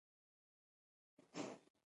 دغو بدلونونو د خلکو ژوند ډېر آسان کړی دی.